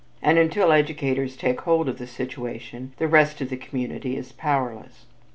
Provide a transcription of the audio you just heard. And until educators take hold of the situation, the rest of the community is powerless.